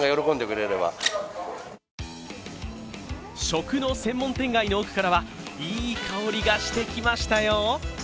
食の専門店街の奥からはいい香りがしてきましたよ。